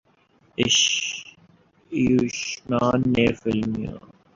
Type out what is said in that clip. آیوشمان نے فلموں